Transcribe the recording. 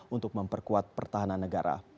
untuk memperkuat pertahanan negara